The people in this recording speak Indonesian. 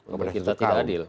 kepada kita tidak adil